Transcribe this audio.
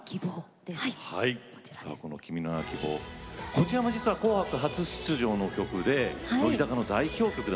こちらも実は「紅白」初出場の曲で乃木坂の代表曲でもありますよね。